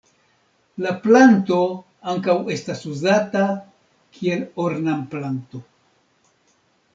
La planto ankaŭ estas uzata kiel ornamplanto.